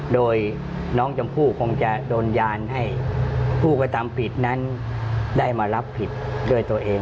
โดยน้องชมพู่คงจะโดนยานให้ผู้กระทำผิดนั้นได้มารับผิดด้วยตัวเอง